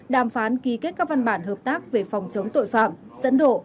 đàm phán ký kết các văn bản hợp tác về phòng chống tội phạm dẫn độ